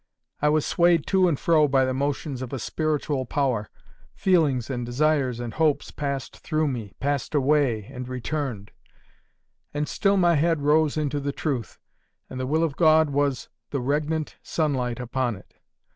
I was swayed to and fro by the motions of a spiritual power; feelings and desires and hopes passed through me, passed away, and returned; and still my head rose into the truth, and the will of God was the regnant sunlight upon it.